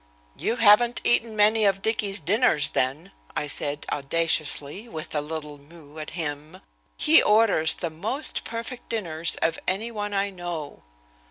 "You haven't eaten many of Dicky's dinners then," I said audaciously, with a little moue at him. "He orders the most perfect dinners of any one I know."